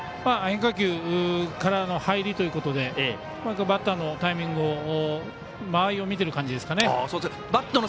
変化球からの入りということでうまくバッターのタイミングを間合いを見てる感じですかね。